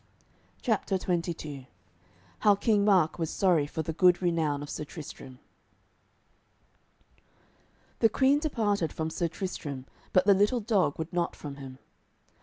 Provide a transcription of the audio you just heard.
CHAPTER XXII HOW KING MARK WAS SORRY FOR THE GOOD RENOWN OF SIR TRISTRAM The queen departed from Sir Tristram but the little dog would not from him.